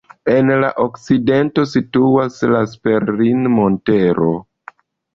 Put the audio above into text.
En la okcidento situas la Sperrin-montaro.